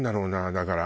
だから。